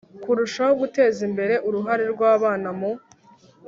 Kurushaho guteza imbere uruhare rw abana mu